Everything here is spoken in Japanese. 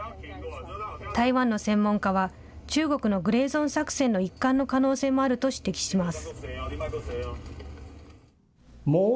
台湾の専門家は、中国のグレーゾーン作戦の一環の可能性もあると指摘します。